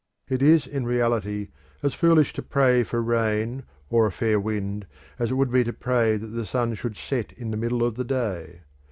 It is in reality as foolish to pray for rain or a fair wind as it would be to pray that the sun should set in the middle of the day.